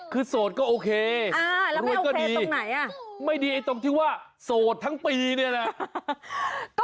คือสูตรก็โอเครวยก็ดีไม่ดีตรงที่ว่าสูตรทั้งปีเนี่ยแหละ